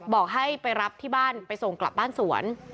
บอกให้ไปรับที่บ้านไปส่งกลับบ้านสวน